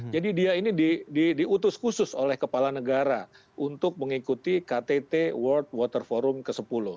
jadi dia ini diutus khusus oleh kepala negara untuk mengikuti ktt world water forum ke sepuluh